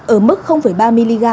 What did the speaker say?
ở mức ba mg